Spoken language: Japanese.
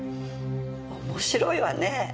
面白いわね。